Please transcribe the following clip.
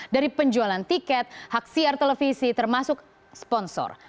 dari penjualan tiket hak siar televisi termasuk sponsor